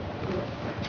terakhir malam itu jessica